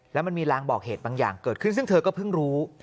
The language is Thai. แล้วมันมีรางบอกเหตุบางอย่างเกิดขึ้นซึ่งเธอก็เพิ่งรู้